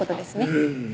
うん。